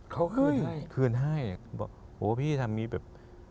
เขาคืนให้คืนให้บอกโหพี่ทำมีแบบ